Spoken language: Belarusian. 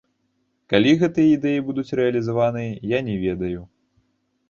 Калі гэтыя ідэі будуць рэалізаваныя, я не ведаю.